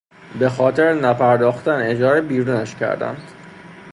به خاطر نپرداختن اجاره بیرونش کردند.